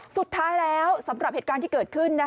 สุดท้ายแล้วสำหรับเหตุการณ์ที่เกิดขึ้น